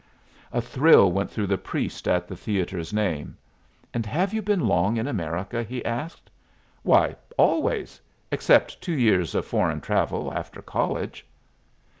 A thrill went through the priest at the theatre's name. "And have you been long in America?" he asked. "Why, always except two years of foreign travel after college."